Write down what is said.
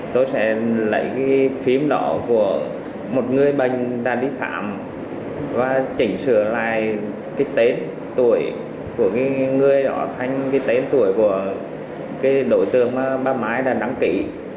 tôi sẽ lấy phim đó của một người bệnh đã đi khám và chỉnh sửa lại tên tuổi của người đó thành tên tuổi của đối tượng bà mãi đã đăng ký